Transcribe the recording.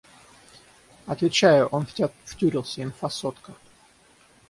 Отвечаю, он в тя втюрился, инфа сотка.